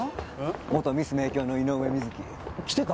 元ミス明教の井上瑞希来てた？